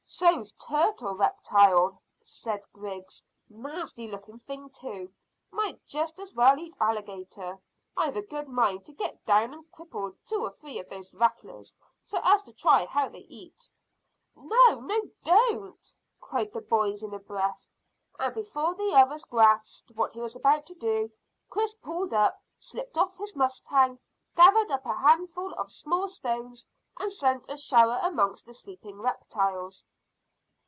"So's turtle reptile," said Griggs. "Nasty looking thing too. Might just as well eat alligator. I've a good mind to get down and cripple two or three of those rattlers, so as to try how they eat." "No, no, don't!" cried the boys in a breath, and before the others grasped what he was about to do, Chris pulled up, slipped off his mustang, gathered up a handful of small stones, and sent a shower amongst the sleeping reptiles.